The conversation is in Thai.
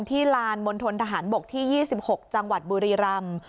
ลานมณฑนทหารบกที่๒๖จังหวัดบุรีรำ